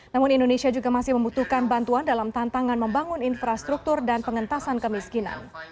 namun indonesia juga masih membutuhkan bantuan dalam tantangan membangun infrastruktur dan pengentasan kemiskinan